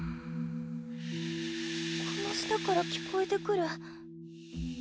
この下から聞こえてくる。